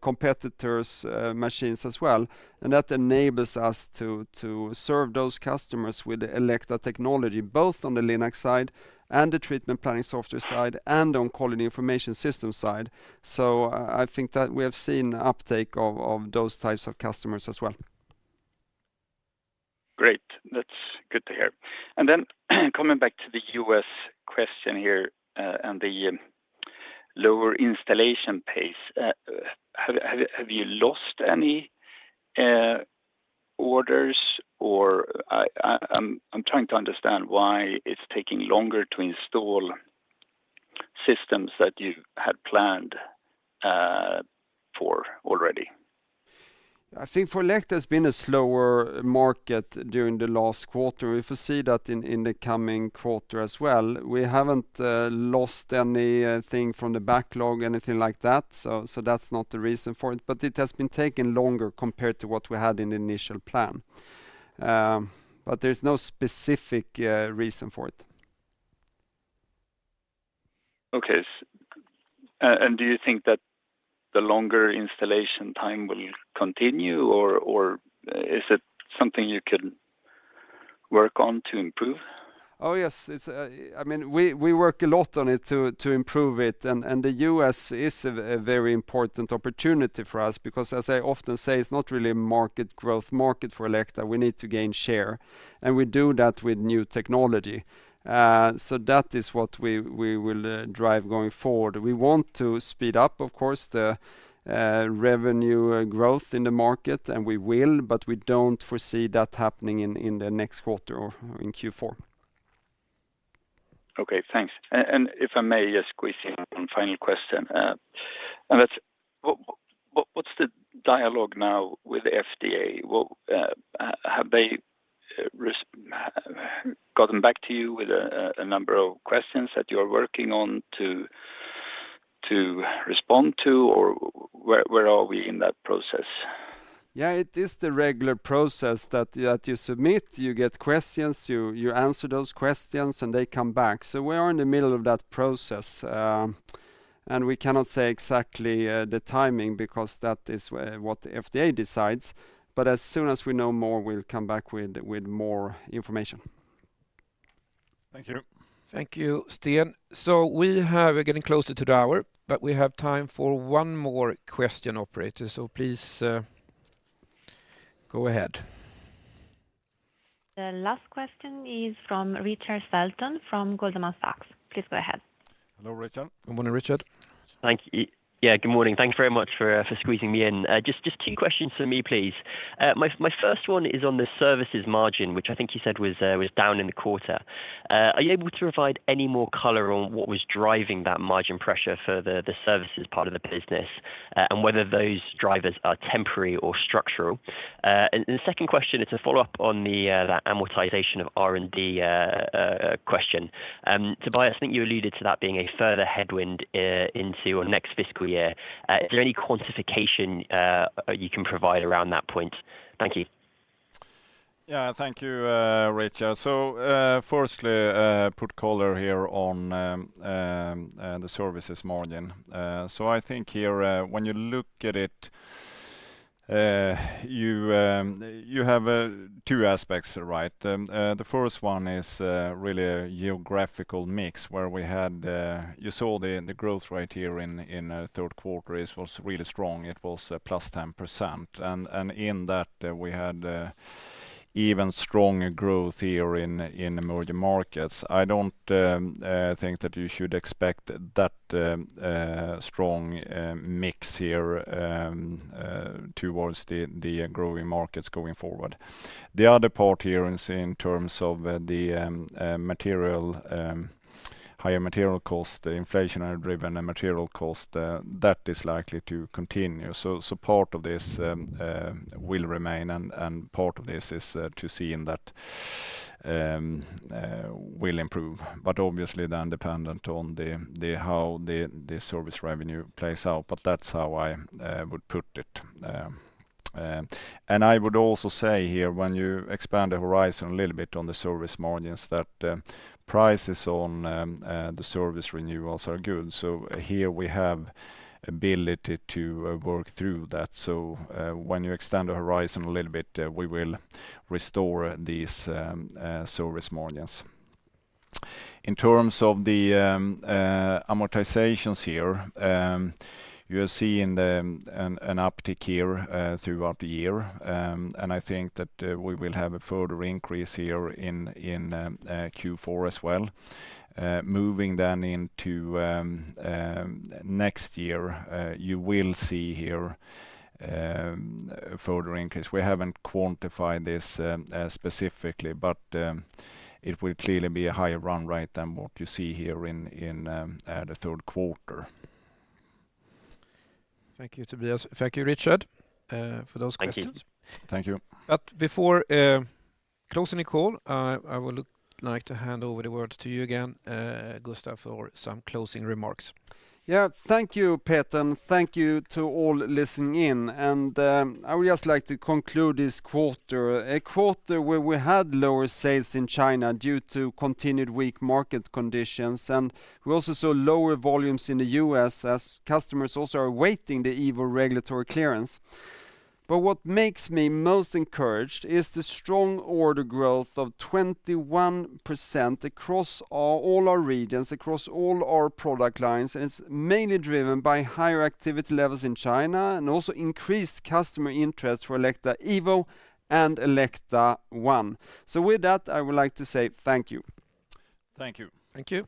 competitors' machines as well. And that enables us to serve those customers with the Elekta technology, both on the Linac side and the treatment planning software side and on oncology information system side. So, I think that we have seen uptake of those types of customers as well. Great. That's good to hear. And then coming back to the U.S. question here and the lower installation pace, have you lost any orders? Or, I'm trying to understand why it's taking longer to install systems that you had planned for already. I think for Elekta it's been a slower market during the last quarter. We foresee that in the coming quarter as well. We haven't lost anything from the backlog, anything like that. So, that's not the reason for it. But it has been taking longer compared to what we had in the initial plan. But there's no specific reason for it. Okay. And do you think that the longer installation time will continue, or is it something you could work on to improve? Oh, yes. I mean, we work a lot on it to improve it, and the U.S. is a very important opportunity for us because, as I often say, it's not really a market growth market for Elekta. We need to gain share, and we do that with new technology, so that is what we will drive going forward. We want to speed up, of course, the revenue growth in the market, and we will, but we don't foresee that happening in the next quarter or in Q4. Okay, thanks. And if I may just squeeze in one final question. What's the dialogue now with FDA? Have they gotten back to you with a number of questions that you are working on to respond to, or where are we in that process? Yeah, it is the regular process that you submit, you get questions, you answer those questions, and they come back. So, we are in the middle of that process. And we cannot say exactly the timing because that is what FDA decides. But as soon as we know more, we'll come back with more information. Thank you. Thank you, Sten. So, we're getting closer to the hour, but we have time for one more question, Operator. So, please go ahead. The last question is from Richard Felton from Goldman Sachs. Please go ahead. Hello, Richard. Good morning, Richard. Thank you. Yeah, good morning. Thanks very much for squeezing me in. Just two questions for me, please. My first one is on the services margin, which I think you said was down in the quarter. Are you able to provide any more color on what was driving that margin pressure for the services part of the business and whether those drivers are temporary or structural? And the second question is a follow-up on that amortization of R&D question. Tobias, I think you alluded to that being a further headwind into your next fiscal year. Is there any quantification you can provide around that point? Thank you. Yeah, thank you, Richard. So, firstly, put color here on the services margin. So, I think here when you look at it, you have two aspects, right? The first one is really a geographical mix where we had you saw the growth rate here in the Q3 was really strong. It was plus 10%. And in that, we had even stronger growth here in emerging markets. I don't think that you should expect that strong mix here towards the growing markets going forward. The other part here is in terms of the material, higher material cost, inflation-driven material cost, that is likely to continue. So, part of this will remain, and part of this is to see in that will improve. But obviously, then dependent on how the service revenue plays out. But that's how I would put it. And I would also say here when you expand the horizon a little bit on the service margins, that prices on the service renewals are good. So, here we have ability to work through that. So, when you extend the horizon a little bit, we will restore these service margins. In terms of the amortizations here, you're seeing an uptick here throughout the year. And I think that we will have a further increase here in Q4 as well. Moving then into next year, you will see here a further increase. We haven't quantified this specifically, but it will clearly be a higher run rate than what you see here in the Q3. Thank you, Tobias. Thank you, Richard, for those questions. Thank you. But before closing the call, I would like to hand over the word to you again, Gustaf, for some closing remarks. Yeah, thank you, Peter. And thank you to all listening in. And I would just like to conclude this quarter, a quarter where we had lower sales in China due to continued weak market conditions. And we also saw lower volumes in the U.S. as customers also are awaiting the Elekta Evo regulatory clearance. But what makes me most encouraged is the strong order growth of 21% across all our regions, across all our product lines. And it's mainly driven by higher activity levels in China and also increased customer interest for Elekta Evo and Elekta ONE. So, with that, I would like to say thank you. Thank you. Thank you.